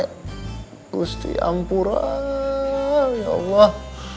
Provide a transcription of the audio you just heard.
kusti ampuran ya allah